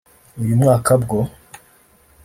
uyu mwaka bwo